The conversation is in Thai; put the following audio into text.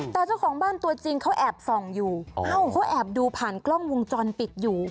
แต่เจ้าของบ้านตัวจริงเขาแอบส่องอยู่เขาแอบดูผ่านกล้องวงจรปิดอยู่